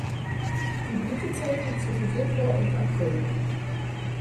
Die Blütezeit liegt zwischen Februar und April.